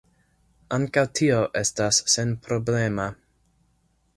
Ankaŭ tio estas senproblema.